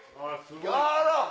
あら！